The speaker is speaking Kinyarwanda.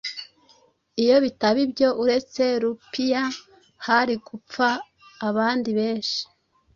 iyo bitaba ibyo uretse rupias hari gupfa abandi benshi